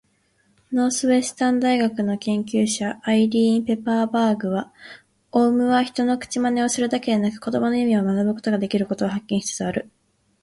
ノースウエスタン大学の研究者、アイリーン・ペパーバーグは、オウムは人の口まねをするだけでなく言葉の意味を学ぶことができることを発見しつつある。